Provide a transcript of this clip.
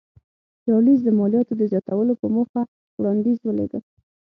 چارلېز د مالیاتو د زیاتولو په موخه وړاندیز ولېږه.